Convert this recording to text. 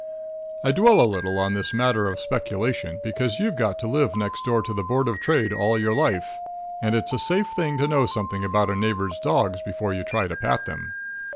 I dwell a little on this matter of speculation because you've got to live next door to the Board of Trade all your life, and it's a safe thing to know something about a neighbor's dogs before you try to pat them.